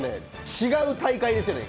違う大会ですよね。